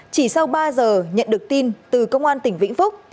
chỉ sau ba giờ nhận được tin từ công an tỉnh vĩnh phúc